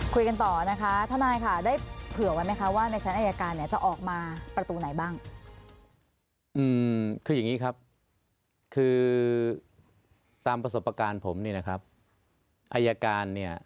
คุยกันต่อนะคะทนายค่ะได้เผื่อไว้ไหมคะว่าในชั้นอายการเนี่ยจะออกมาประตูไหนบ้างอืมคืออย่างนี้ครับคือตามประสบการณ์ผมนี่นะครับอายการเนี่ย